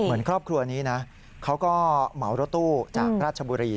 ครอบครัวนี้นะเขาก็เหมารถตู้จากราชบุรี